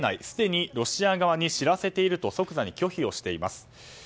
すでにロシア側に知らせていると即座に拒否をしています。